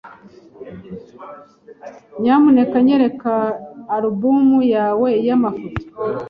Nyamuneka nyereka alubumu yawe y'amafoto?